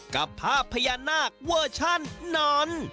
กับภาพพญานาคเวอร์ชันนอน